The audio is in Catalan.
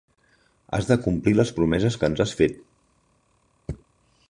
Has de complir les promeses que ens has fet!